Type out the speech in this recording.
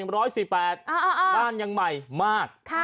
อร่อย๒๐๒๒ล้านอย่างใหม่มาก